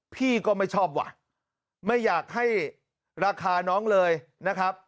พี่ก็ไม่ชอบว่ะไม่อยากให้ราคาน้องเลยนะครับ